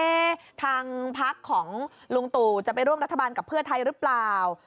ทางพักของลุงตู่จะไปร่วมรัฐบาลกับเพื่อไทยหรือเปล่า